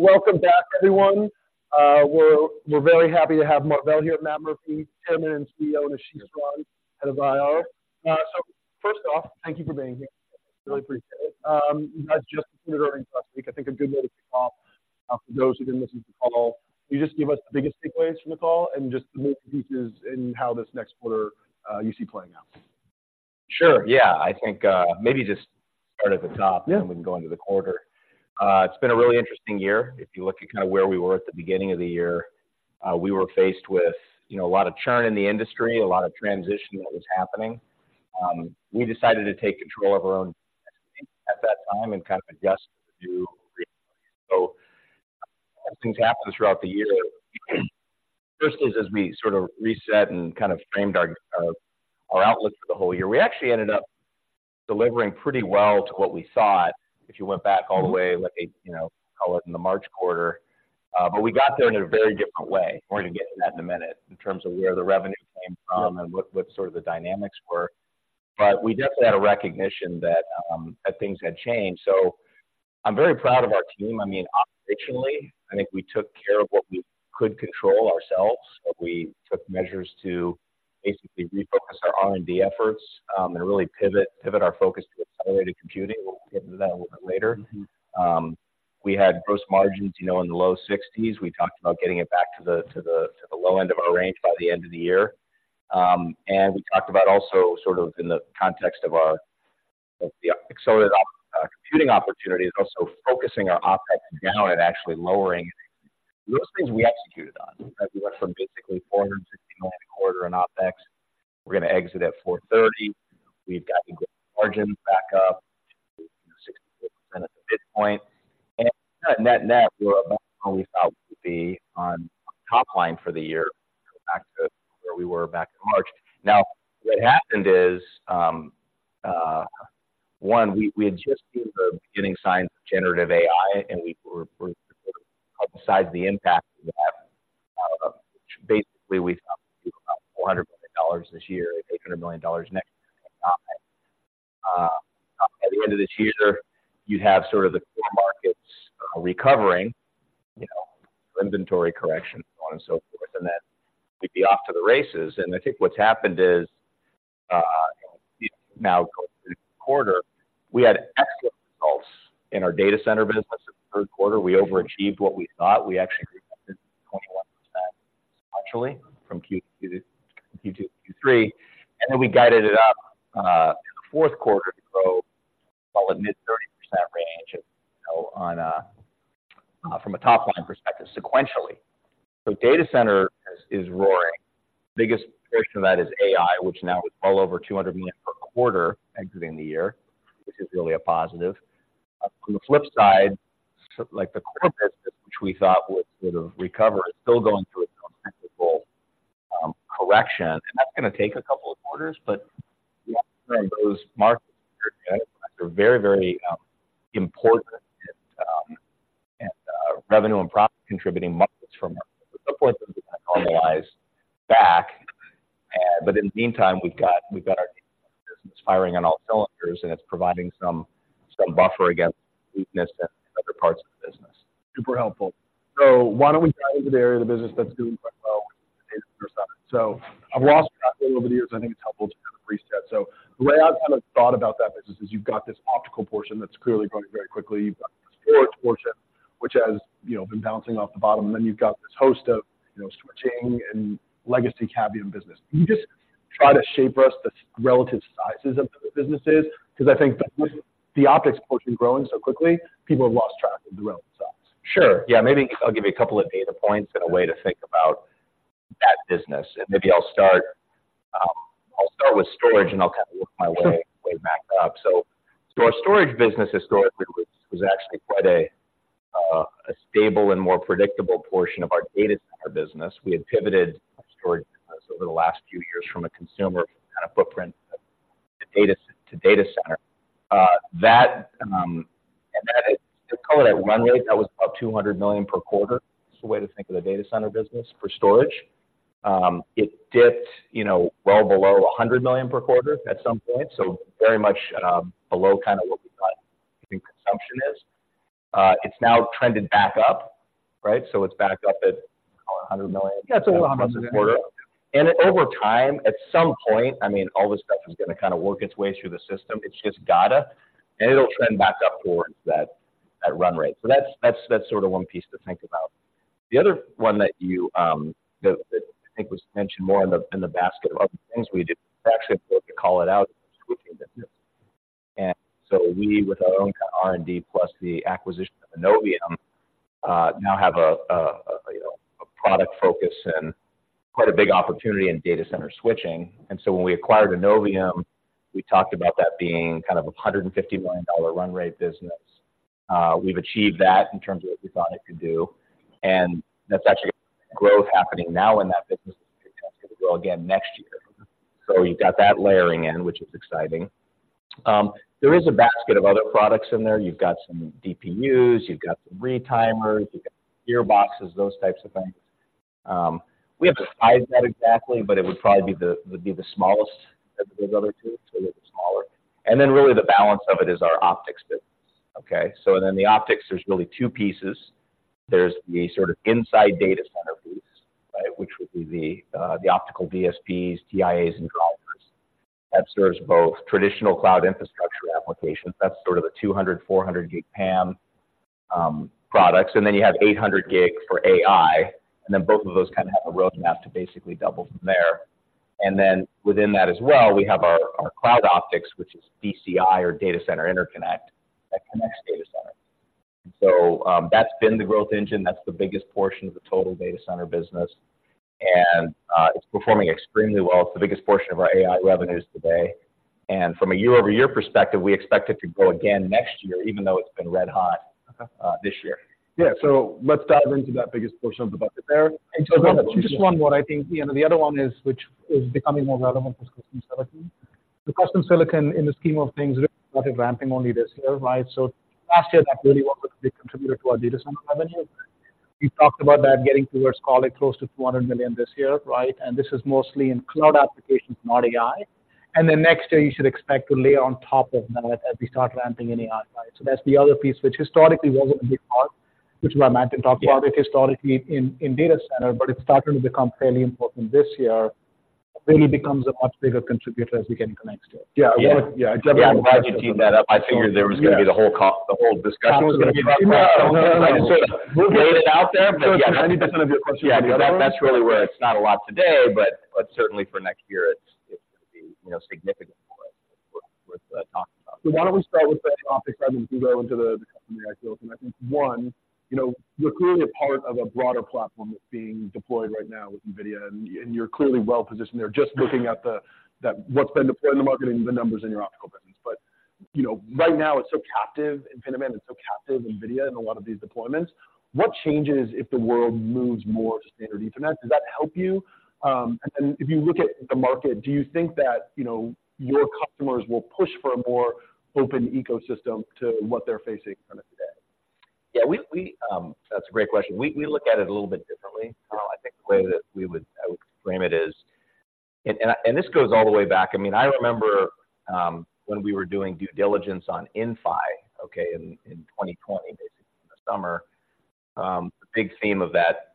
Welcome back, everyone. We're very happy to have Marvell here, Matt Murphy, Chairman and CEO, and Ashish Saran, Head of IR. So first off, thank you for being here. Really appreciate it. You guys just presented earlier last week. I think a good way to kick off, for those who didn't listen to the call, can you just give us the biggest takeaways from the call and just the moving pieces in how this next quarter, you see playing out? Sure, yeah. I think, maybe just start at the top- Yeah. And then we can go into the quarter. It's been a really interesting year. If you look at kind of where we were at the beginning of the year, we were faced with, you know, a lot of churn in the industry, a lot of transition that was happening. We decided to take control of our own at that time and kind of adjust to the new reality. So as things happened throughout the year, first is, as we sort of reset and kind of framed our, our outlook for the whole year, we actually ended up delivering pretty well to what we thought. If you went back all the way, like, you know, call it in the March quarter, but we got there in a very different way. We're going to get into that in a minute, in terms of where the revenue came from. Yeah And what, what sort of the dynamics were. But we definitely had a recognition that, that things had changed. So I'm very proud of our team. I mean, operationally, I think we took care of what we could control ourselves, but we took measures to basically refocus our R&D efforts, and really pivot, pivot our focus to accelerated computing. We'll get into that a little bit later. Mm-hmm. We had gross margins, you know, in the low 60s%. We talked about getting it back to the low end of our range by the end of the year. And we talked about also sort of in the context of our, the accelerated computing opportunities, also focusing our OpEx down and actually lowering. Those things we executed on. As we went from basically $460 million a quarter in OpEx, we're going to exit at $430 million. We've got the margin back up to 64% at the midpoint. And net net, we're about where we thought we would be on top line for the year, back to where we were back in March. Now, what happened is, one, we had just seen the beginning signs of generative AI, and we were besides the impact of that, which basically we thought would be about $400 million this year and $800 million next year. At the end of this year, you have sort of the core markets recovering, you know, inventory correction, so on and so forth, and then we'd be off to the races. And I think what's happened is, now going through the quarter, we had excellent results in our data center business. In the third quarter, we overachieved what we thought. We actually grew 21% naturally from Q2 to Q2 to Q3, and then we guided it up in the fourth quarter to grow well at mid-30% range, you know, on from a top-line perspective, sequentially. So data center is roaring. Biggest portion of that is AI, which now is well over $200 million per quarter exiting the year, which is really a positive. On the flip side, like, the core business, which we thought would sort of recover, is still going through a cyclical correction, and that's going to take a couple of quarters. But those markets are very, very important, and revenue and profit contributing markets from them, so forth, will normalize back. But in the meantime, we've got our business firing on all cylinders, and it's providing some buffer against weakness in other parts of the business. Super helpful. So why don't we dive into the area of the business that's doing quite well, data center. So I've lost track over the years. I think it's helpful to kind of reset. So the way I've kind of thought about that business is you've got this optical portion that's clearly growing very quickly. You've got this storage portion, which has, you know, been bouncing off the bottom, and then you've got this host of, you know, switching and legacy Cavium business. Can you just try to shape for us the relative sizes of the businesses? Because I think with the optics portion growing so quickly, people have lost track of the relevant size. Sure. Yeah, maybe I'll give you a couple of data points and a way to think about that business. And maybe I'll start. I'll start with storage, and I'll kind of work my way, way back up. So our storage business historically was actually quite a stable and more predictable portion of our data center business. We had pivoted storage business over the last few years from a consumer kind of footprint to data, to data center. That, and then to call it at run rate, that was about $200 million per quarter. It's a way to think of the data center business for storage. It dipped, you know, well below $100 million per quarter at some point, so very much below kind of what we thought consumption is. It's now trended back up, right? So it's back up at $100 million- Yeah, it's $100 million. -per quarter. And over time, at some point, I mean, all this stuff is going to kind of work its way through the system. It's just gotta, and it'll trend back up towards that run rate. So that's, that's sort of one piece to think about. The other one that you, that I think was mentioned more in the basket of other things we do, we actually call it out switching business. And so we, with our own R&D plus the acquisition of Innovium, now have a you know, a product focus and quite a big opportunity in data center switching. And so when we acquired Innovium, we talked about that being kind of a $150 million run rate business. We've achieved that in terms of what we thought it could do, and that's actually growth happening now in that business. It's going to go again next year. So you've got that layering in, which is exciting. There is a basket of other products in there. You've got some DPUs, you've got some retimers, you've got gearboxes, those types of things. We have to size that exactly, but it would probably be the smallest of those other two, so a little bit smaller. And then really the balance of it is our optics business. Okay, so then the optics, there's really two pieces. There's the sort of inside data center piece, right? Which would be the optical DSPs, TIAs, and drivers. That serves both traditional cloud infrastructure applications, that's sort of a 200-400 gig PAM products. And then you have 800 gig for AI, and then both of those kind of have a roadmap to basically double from there. And then within that as well, we have our, our cloud optics, which is DCI or data center interconnect, that connects data center. So, that's been the growth engine, that's the biggest portion of the total data center business, and, it's performing extremely well. It's the biggest portion of our AI revenues today, and from a year-over-year perspective, we expect it to grow again next year, even though it's been red hot, this year. Yeah. Let's dive into that biggest portion of the bucket there. Just one more, I think, you know, the other one is, which is becoming more relevant for custom silicon. The custom silicon, in the scheme of things, what is ramping only this year, right? So last year, that really was a big contributor to our data center revenue. We talked about that getting towards, call it, close to $400 million this year, right? And this is mostly in cloud applications, not AI. And then next year, you should expect to layer on top of that as we start ramping in AI, right? So that's the other piece, which historically wasn't a big part, which Matt can talk about it, historically in data center, but it's starting to become fairly important this year. Really becomes a much bigger contributor as we get into next year. Yeah. Yeah. Yeah, I'm glad you teed that up. I figured there was going to be the whole discussion was going to be about that. So lay it out there. But yeah, 90% of your question- Yeah, that's really where it's not a lot today, but, but certainly for next year, it's going to be, you know, significant more with talking about. So why don't we start with the optics as we go into the custom AI tools? And I think, one, you know, you're clearly a part of a broader platform that's being deployed right now with NVIDIA, and you're clearly well positioned there. Just looking at the, that—what's been deployed in the market and the numbers in your optical business. But, you know, right now, it's so captive InfiniBand, it's so captive NVIDIA in a lot of these deployments. What changes if the world moves more standard Ethernet? Does that help you? And if you look at the market, do you think that, you know, your customers will push for a more open ecosystem to what they're facing today? Yeah. That's a great question. We look at it a little bit differently. I think the way I would frame it is, and this goes all the way back. I mean, I remember when we were doing due diligence on Inphi, okay, in 2020, basically in the summer, the big theme of that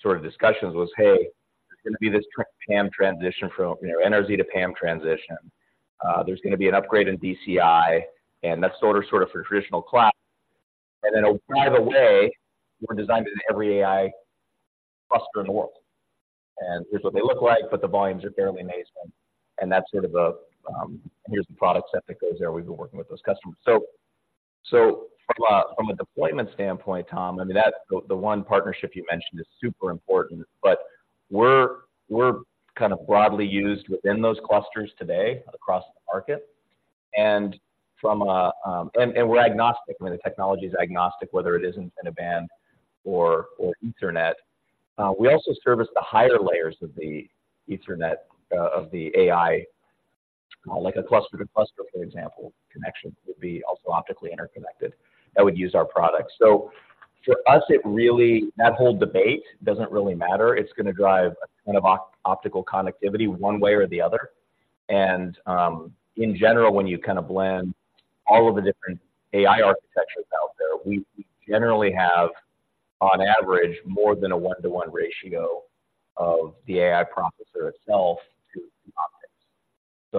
sort of discussions was, hey, there's going to be this PAM transition from NRZ to PAM transition. There's going to be an upgrade in DCI, and that's sort of for traditional cloud. And then, oh, by the way, we're designed into every AI cluster in the world, and here's what they look like, but the volumes are fairly amazing. And that's sort of a, here's the product set that goes there. We've been working with those customers. So from a deployment standpoint, Tom, I mean, that's the one partnership you mentioned is super important, but we're kind of broadly used within those clusters today across the market. And we're agnostic. I mean, the technology is agnostic, whether it is InfiniBand or Ethernet. We also service the higher layers of the Ethernet of the AI like a cluster to cluster, for example, connection would be also optically interconnected. That would use our products. So for us, it really, that whole debate doesn't really matter. It's going to drive a kind of optical connectivity one way or the other. In general, when you kind of blend all of the different AI architectures out there, we generally have, on average, more than a 1-to-1 ratio of the AI processor itself to the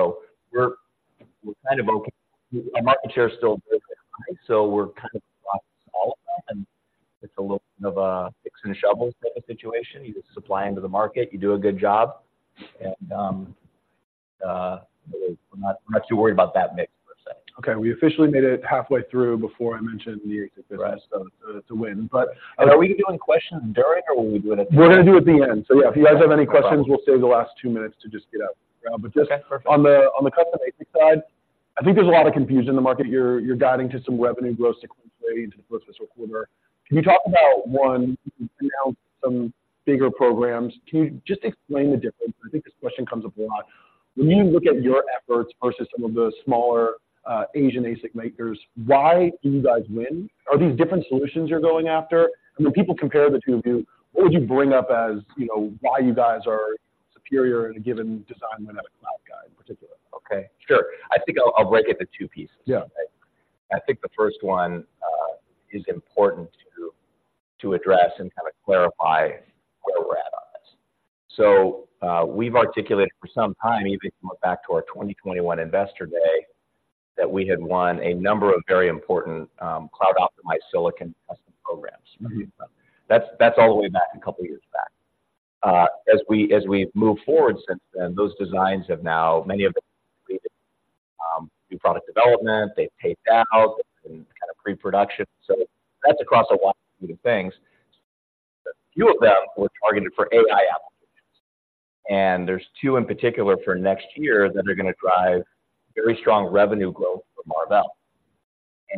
optics. We're kind of okay. Our market share is still pretty high, so we're kind of all of them, and it's a little bit of a picks and shovels type of situation. You just supply into the market, you do a good job, and we're not too worried about that mix per se. Okay, we officially made it halfway through before I mentioned the existence of, of the win, but- Are we going to do any questions during, or will we do it at the end? We're going to do at the end. So yeah, if you guys have any questions, we'll save the last two minutes to just get out. Okay, perfect. But just on the custom ASIC side, I think there's a lot of confusion in the market. You're guiding to some revenue growth sequentially into the first quarter. Can you talk about one, you announced some bigger programs. Can you just explain the difference? I think this question comes up a lot. When you look at your efforts versus some of the smaller Asian ASIC makers, why do you guys win? Are these different solutions you're going after? I mean, people compare the two of you. What would you bring up as, you know, why you guys are superior in a given design win at a cloud guy in particular? Okay, sure. I think I'll break it to two pieces. Yeah. I think the first one is important to address and kind of clarify where we're at on this. So, we've articulated for some time, even if you look back to our 2021 Investor Day, that we had won a number of very important cloud-optimized silicon custom programs. That's all the way back, a couple of years back. As we, as we've moved forward since then, those designs have now, many of them, new product development, they've taped out, and kind of pre-production. So that's across a wide range of things. A few of them were targeted for AI applications, and there's two in particular for next year that are going to drive very strong revenue growth for Marvell.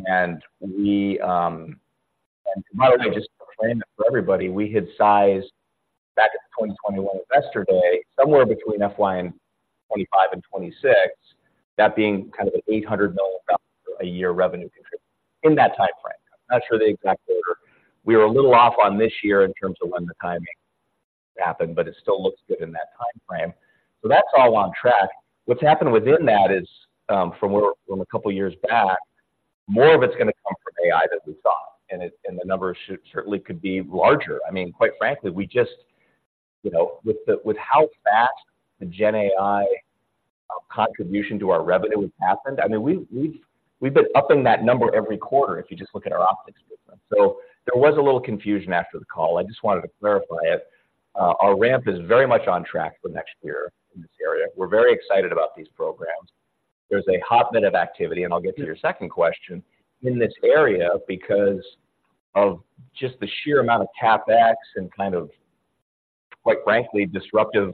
And we, and tomorrow, I just claim that for everybody, we had sized back in the 2021 Investor Day, somewhere between FY 2025 and 2026, that being kind of the $800 million a year revenue contribution in that time frame. I'm not sure the exact order. We were a little off on this year in terms of when the timing happened, but it still looks good in that time frame. So that's all on track. What's happened within that is, from a couple of years back, more of it's gonna come from AI than we thought, and the numbers should certainly could be larger. I mean, quite frankly, we just, you know, with the with how fast the Gen AI contribution to our revenue happened, I mean, we've been upping that number every quarter if you just look at our optics business. So there was a little confusion after the call. I just wanted to clarify it. Our ramp is very much on track for next year in this area. We're very excited about these programs. There's a hot minute of activity, and I'll get to your second question, in this area because of just the sheer amount of CapEx and kind of, quite frankly, disruptive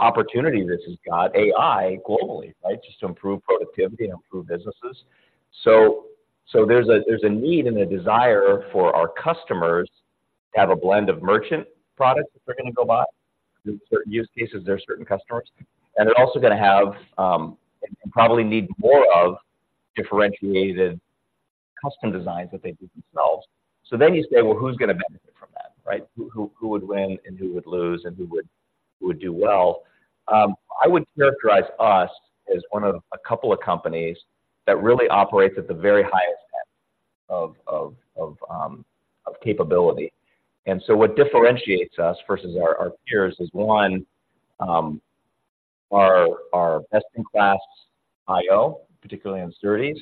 opportunity this has got AI globally, right? Just to improve productivity and improve businesses. So there's a need and a desire for our customers to have a blend of merchant products that they're going to go buy. In certain use cases, there are certain customers, and they're also going to have and probably need more of differentiated custom designs that they do themselves. So then you say, well, who's going to benefit from that, right? Who would win and who would lose, and who would do well? I would characterize us as one of a couple of companies that really operates at the very highest end of capability. And so what differentiates us versus our peers is, one, our best-in-class I/O, particularly on SerDes.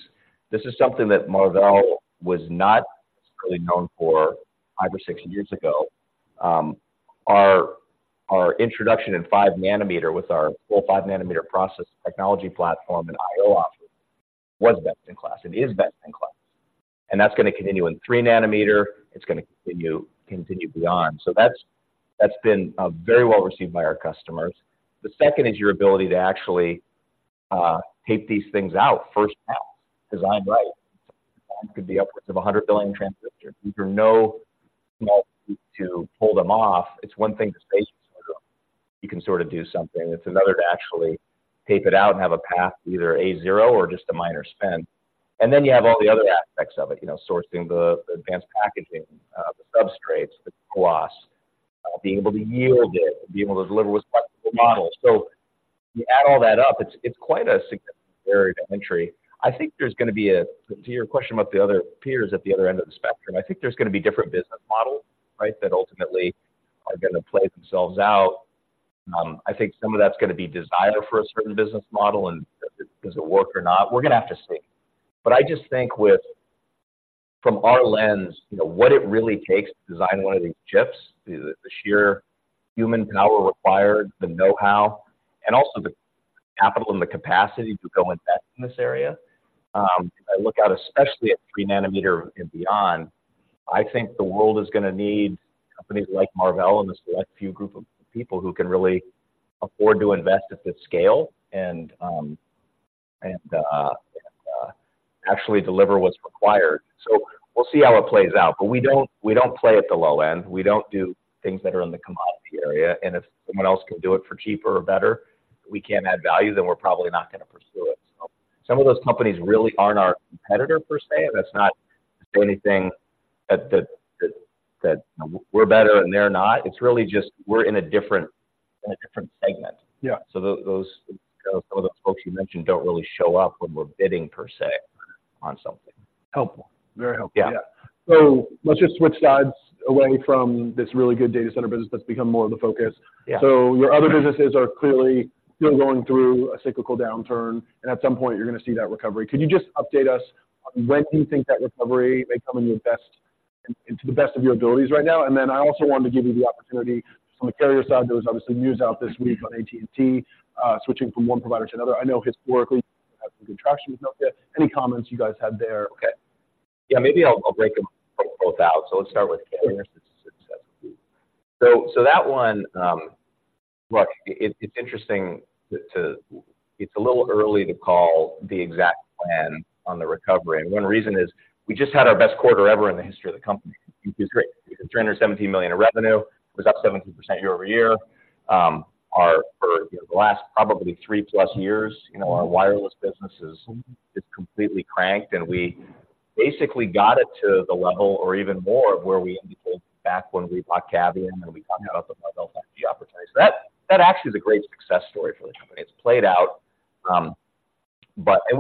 This is something that Marvell was not really known for five or six years ago. Our introduction in five nanometer with our full five nanometer process technology platform and I/O offering was best in class. It is best in class, and that's gonna continue in three nanometer. It's gonna continue beyond. So that's been very well received by our customers. The second is your ability to actually tape these things out first, because I'm right, could be upwards of 100 billion transistors. You know to pull them off. It's one thing to say, you can sort of do something. It's another to actually tape it out and have a path, either A zero or just a minor spin. And then you have all the other aspects of it, you know, sourcing the advanced packaging, the substrates, the glass, being able to yield it, and being able to deliver with the model. So you add all that up, it's quite a significant barrier to entry. I think there's gonna be, to your question about the other peers at the other end of the spectrum, I think there's gonna be different business models, right? That ultimately are gonna play themselves out. I think some of that's gonna be desire for a certain business model, and does it, does it work or not? We're gonna have to see. But I just think, from our lens, you know, what it really takes to design one of these chips, the sheer human power required, the know-how, and also the capital and the capacity to go invest in this area. I look out, especially at three nanometer and beyond, I think the world is gonna need companies like Marvell and the select few group of people who can really afford to invest at this scale and actually deliver what's required. So we'll see how it plays out, but we don't play at the low end. We don't do things that are in the commodity area, and if someone else can do it for cheaper or better, we can't add value, then we're probably not gonna pursue it. So some of those companies really aren't our competitor per se. That's not to say anything, that we're better and they're not. It's really just we're in a different segment. Yeah. So those, some of those folks you mentioned don't really show up when we're bidding per se on something. Helpful. Very helpful. Yeah. Let's just switch sides away from this really good data center business that's become more of the focus. Yeah. Your other businesses are clearly still going through a cyclical downturn, and at some point, you're going to see that recovery. Could you just update us on when do you think that recovery may come, to the best of your abilities right now? Then I also wanted to give you the opportunity on the carrier side. There was obviously news out this week on AT&T switching from one provider to another. I know historically there have been some contractions out there. Any comments you guys have there? Okay. Yeah, maybe I'll break them both out. So let's start with carrier. So that one, look, it's interesting to call the exact plan on the recovery. And one reason is we just had our best quarter ever in the history of the company. $317 million in revenue was up 17% year-over-year. Over the last probably 3+ years, you know, our wireless business is completely cranked, and we basically got it to the level or even more of where we indicated back when we bought Cavium, and we talked about the Marvell opportunities. That actually is a great success story for the company. It's played out, and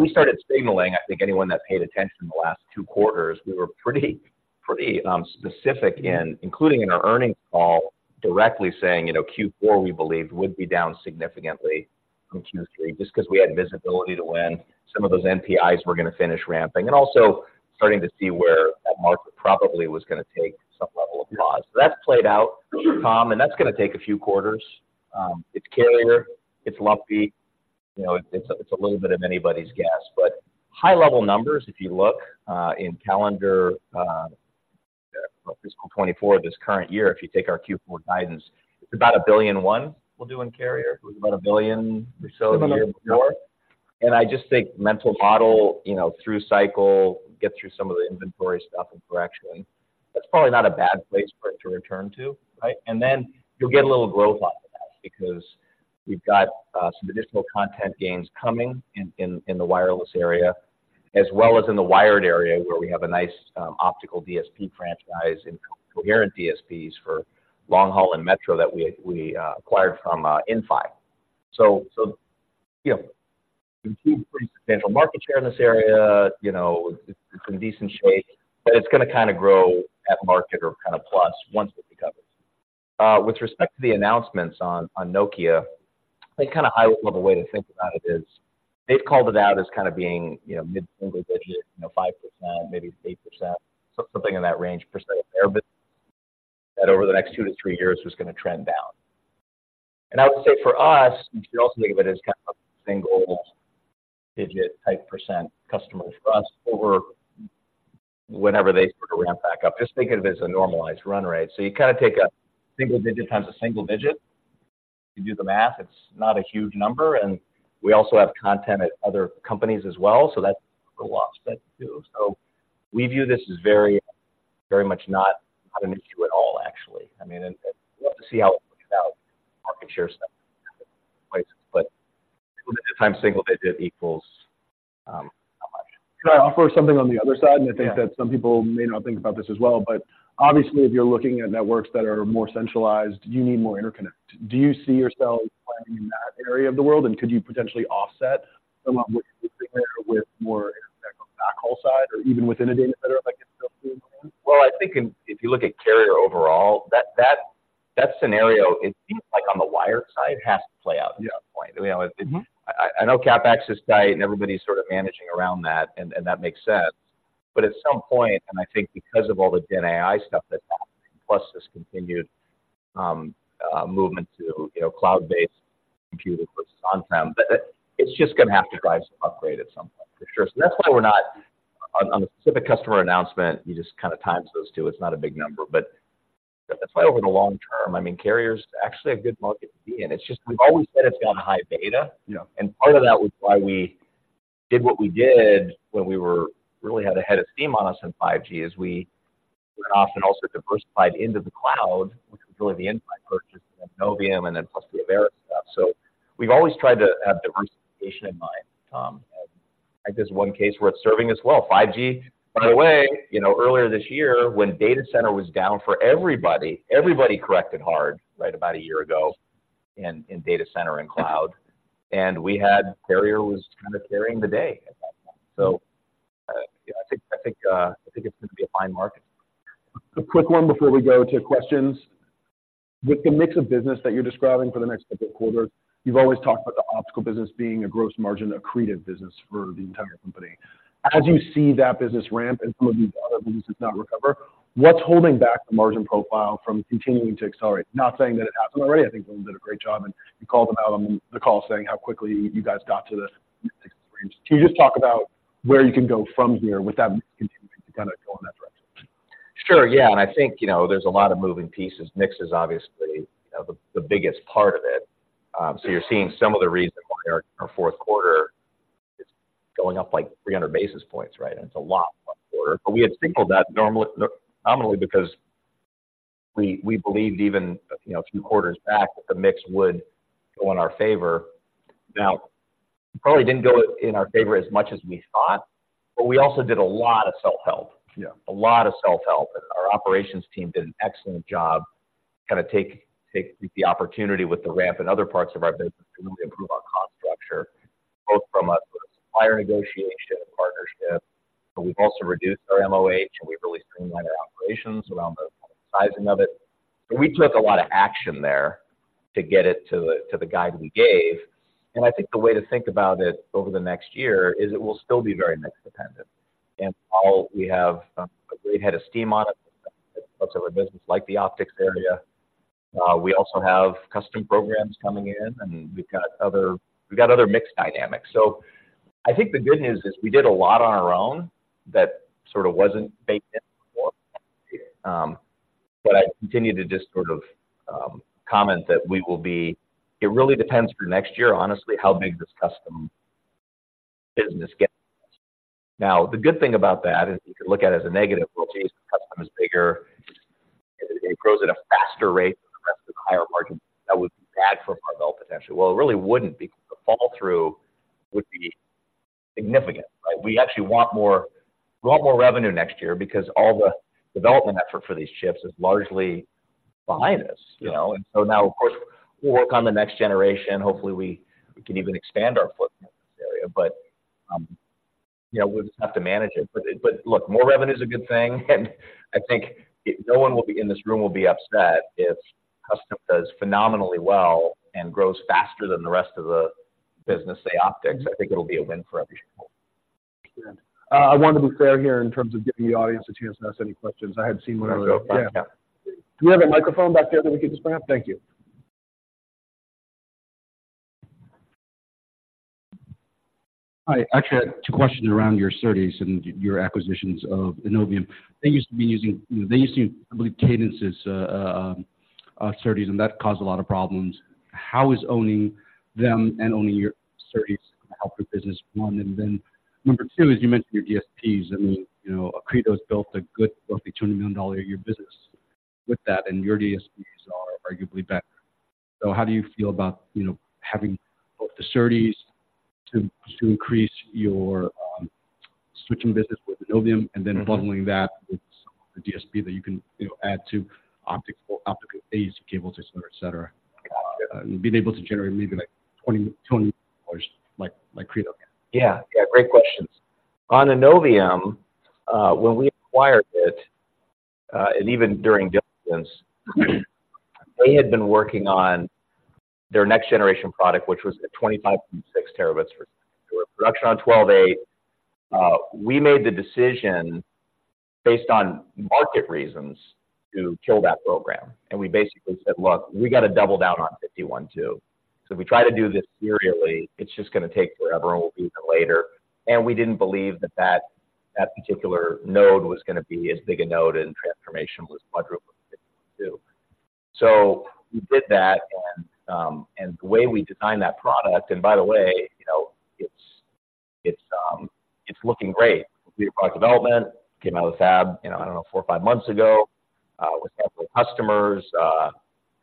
we started signaling. I think anyone that paid attention in the last two quarters, we were pretty, pretty, specific in including in our earnings call, directly saying, you know, Q4 we believed would be down significantly from Q3, just because we had visibility to when some of those NPIs were going to finish ramping. And also starting to see where that market probably was gonna take some level of pause. So that's played out, and that's gonna take a few quarters. It's carrier, it's lumpy, you know, it's, it's a little bit of anybody's guess, but high-level numbers, if you look, in calendar fiscal 2024, this current year, if you take our Q4 guidance, it's about $1.1 billion we'll do in carrier. It was about $1 billion or so the year before. And I just think mental model, you know, through cycle, get through some of the inventory stuff and correcting, that's probably not a bad place for it to return to, right? And then you'll get a little growth on... because we've got some additional content gains coming in in the wireless area, as well as in the wired area, where we have a nice optical DSP franchise and coherent DSPs for long haul and metro that we acquired from Inphi. So, you know, we keep pretty substantial market share in this area. You know, it's in decent shape, but it's gonna kinda grow at market or kinda plus once it recovers. With respect to the announcements on Nokia, I think kinda a high-level way to think about it is, they've called it out as kinda being, you know, mid-single digit, you know, 5%, maybe 8%, so something in that range % of their business, that over the next 2-3 years was gonna trend down. And I would say for us, you could also think of it as kind of a single-digit type % customers for us over whenever they sort of ramp back up. Just think of it as a normalized run rate. So you kinda take a single digit times a single digit, you do the math, it's not a huge number, and we also have content at other companies as well, so that's a little offset, too. So we view this as very, very much not an issue at all, actually. I mean, and we'll have to see how it works out, market share stuff, but single digit times single digit equals not much. Can I offer something on the other side? Yeah. I think that some people may not think about this as well, but obviously, if you're looking at networks that are more centralized, you need more interconnect. Do you see yourself playing in that area of the world? And could you potentially offset some of what you're seeing there with more impact on the backhaul side or even within a data center, like? Well, I think if you look at carrier overall, that scenario, it seems like on the wire side, it has to play out at some point. Mm-hmm. You know, I know CapEx is tight, and everybody's sort of managing around that, and that makes sense. But at some point, and I think because of all the Gen AI stuff that's happening, plus this continued movement to, you know, cloud-based computing versus on-prem, but it's just gonna have to drive some upgrade at some point for sure. For sure. So that's why we're not on a specific customer announcement, you just kinda times those two. It's not a big number, but that's why over the long term, I mean, carrier's actually a good market to be in. It's just we've always said it's got a high beta. Yeah. And part of that was why we did what we did when we really had a head of steam on us in 5G, is we were often also diversified into the cloud, which was really the end purchase, Innovium, and then plus the Avera stuff. So we've always tried to have diversification in mind, Tom. And I think there's one case where it's serving us well. 5G, by the way, you know, earlier this year, when data center was down for everybody, everybody corrected hard, right, about a year ago in data center and cloud, and we had carrier was kinda carrying the day at that point. So, I think, I think, I think it's going to be a fine market. A quick one before we go to questions. With the mix of business that you're describing for the next couple of quarters, you've always talked about the optical business being a gross margin, accretive business for the entire company. Right. As you see that business ramp and some of these other businesses not recover, what's holding back the margin profile from continuing to accelerate? Not saying that it hasn't already. I think everyone did a great job, and you called them out on the call, saying how quickly you guys got to the range. Can you just talk about where you can go from here with that mix continuing to kinda go in that direction? Sure, yeah, and I think, you know, there's a lot of moving pieces. Mix is obviously, you know, the biggest part of it. So you're seeing some of the reason why our fourth quarter is going up like 300 basis points, right? And it's a lot fourth quarter. Mm-hmm. But we had signaled that normally, nominally, because we believed even, you know, a few quarters back, that the mix would go in our favor. Now, it probably didn't go in our favor as much as we thought, but we also did a lot of self-help. Yeah. A lot of self-help. Our operations team did an excellent job, kinda taking the opportunity with the ramp in other parts of our business to really improve our cost structure, both from a supplier negotiation and partnership, but we've also reduced our MOH, and we've really streamlined our operations around the sizing of it. So we took a lot of action there to get it to the guide we gave, and I think the way to think about it over the next year is it will still be very mix dependent. And while we have a great head of steam on it, parts of our business, like the optics area, we also have custom programs coming in, and we've got other, we've got other mix dynamics. So I think the good news is we did a lot on our own that sort of wasn't baked in, but I continue to just sort of comment that we will be... It really depends for next year, honestly, how big this custom business gets. Now, the good thing about that is you can look at it as a negative. Well, geez, the custom is bigger, it grows at a faster rate than the rest of the higher margin. That would be bad for Marvell, potentially. Well, it really wouldn't, because the fall through would be significant, right? We actually want more, we want more revenue next year because all the development effort for these chips is largely behind us, you know? Yeah. So now, of course, we'll work on the next generation. Hopefully, we can even expand our footprint in this area, but, you know, we'll just have to manage it. But look, more revenue is a good thing, and I think no one will be, in this room will be upset if custom does phenomenally well and grows faster than the rest of the business, say, optics. I think it'll be a win for everybody. Understood. I want to be fair here in terms of giving the audience a chance to ask any questions. I had seen one earlier. Yeah. Do we have a microphone back there that we could just grab? Thank you. Hi. I actually had two questions around your SerDes and your acquisitions of Innovium. They used to use, I believe, Cadence's SerDes, and that caused a lot of problems. How is owning them and owning your SerDes help the business, one? And then number two, is you mentioned your DSPs, and, you know, Credo's built a good, healthy $200 million a year business.... with that, and your DSPs are arguably better. So how do you feel about, you know, having both the SerDes to increase your switching business with Innovium, and then bundling that with the DSP that you can, you know, add to optics or optical AEC cable system, et cetera, and being able to generate maybe like $20-$20 like Credo can? Yeah, yeah, great questions. On Innovium, when we acquired it, and even during diligence, they had been working on their next generation product, which was at 25.6 terabits per production on 12A. We made the decision based on market reasons to kill that program, and we basically said: Look, we got to double down on 51.2. So if we try to do this serially, it's just gonna take forever, and we'll do that later. And we didn't believe that particular node was gonna be as big a node, and transformation was 400G. So we did that, and the way we designed that product, and by the way, you know, it's looking great. Product development came out of the fab, you know, I don't know, 4 or 5 months ago, with several customers. It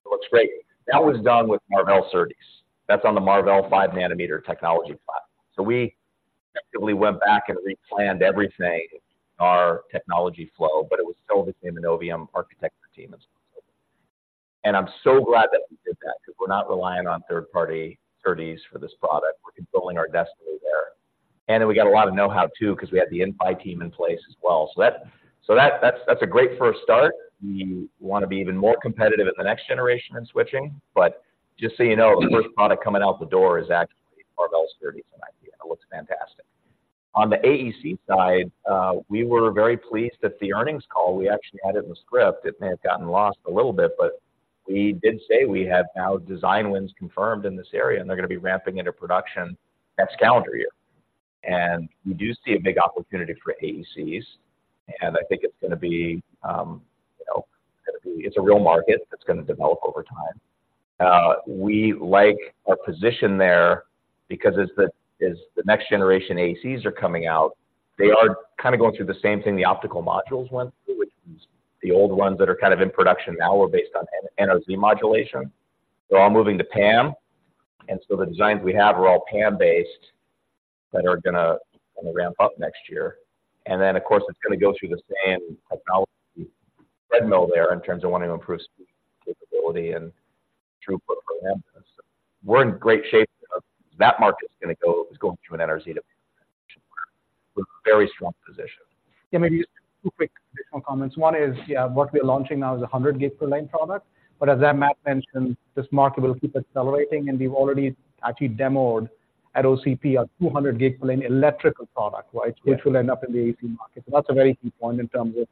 looks great. That was done with Marvell SerDes. That's on the Marvell 5-nanometer technology platform. So we effectively went back and replanned everything, our technology flow, but it was still the same Innovium architecture team as possible. And I'm so glad that we did that because we're not relying on third-party SerDes for this product. We're controlling our destiny there. And then we got a lot of know-how, too, because we had the Inphi team in place as well. So that's a great first start. We want to be even more competitive at the next generation in switching, but just so you know, the first product coming out the door is actually Marvell SerDes, and it looks fantastic. On the AEC side, we were very pleased at the earnings call. We actually had it in the script. It may have gotten lost a little bit, but we did say we have now design wins confirmed in this area, and they're going to be ramping into production next calendar year. And we do see a big opportunity for AECs, and I think it's gonna be, you know, gonna be... It's a real market that's gonna develop over time. We like our position there because as the, as the next generation AECs are coming out, they are kind of going through the same thing the optical modules went through, which is the old ones that are kind of in production now are based on NRZ modulation. They're all moving to PAM, and so the designs we have are all PAM based that are gonna, gonna ramp up next year. And then, of course, it's gonna go through the same technology treadmill there in terms of wanting to improve speed, capability, and throughput. We're in great shape. That market is gonna go, is going through an NRZ to PAM, with very strong position. Yeah, maybe just two quick additional comments. One is, yeah, what we are launching now is a 100 gig per lane product, but as Matt mentioned, this market will keep accelerating, and we've already actually demoed at OCP, a 200 gig per lane electrical product, right? Yes. Which will end up in the AEC market. So that's a very key point in terms of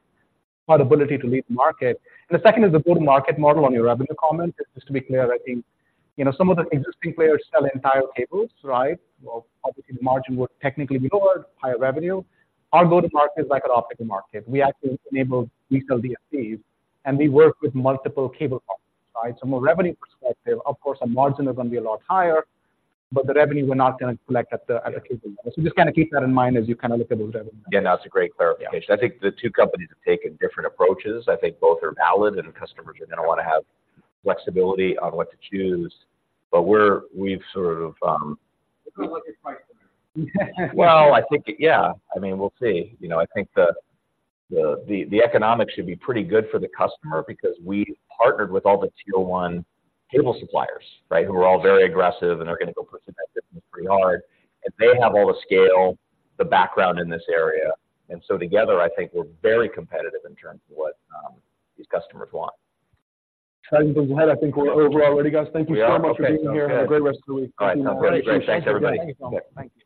our ability to lead the market. And the second is the go-to-market model on your revenue comment. Just, just to be clear, I think, you know, some of the existing players sell entire cables, right? Well, obviously, the margin would technically be lower, higher revenue. Our go-to-market is like an optical market. We actually enable resale DSPs, and we work with multiple cable companies, right? So from a revenue perspective, of course, our margin is going to be a lot higher, but the revenue, we're not going to collect at the, at the cable level. So just kind of keep that in mind as you kind of look at those revenues. Yeah, that's a great clarification. Yeah. I think the two companies have taken different approaches. I think both are valid, and customers are gonna want to have flexibility on what to choose. But we've sort of Look at what the price is. Well, I think, yeah. I mean, we'll see. You know, I think the economics should be pretty good for the customer because we partnered with all the Tier one cable suppliers, right? Who are all very aggressive, and they're going to go pursue that business pretty hard, and they have all the scale, the background in this area. And so together, I think we're very competitive in terms of what these customers want. I think we're over already, guys. We are? Thank you so much for being here. Okay. Have a great rest of the week. All right. Great. Thanks, everybody. Thank you.